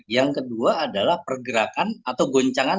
yang kedua adalah pergerakan atau goncangan